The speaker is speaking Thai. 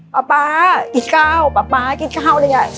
ปะป๊าอีกข้าวปะป๊ากินข้าว